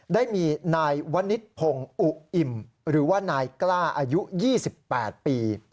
ได้มีนายวนิษพงศ์อุอิ่มหรือว่านายกล้าอายุ๒๘ปี